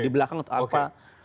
di belakang atau apa